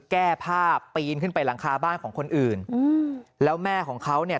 แก้ผ้าปีนขึ้นไปหลังคาบ้านของคนอื่นอืมแล้วแม่ของเขาเนี่ย